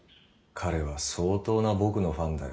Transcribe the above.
彼は相当な僕のファンだよ。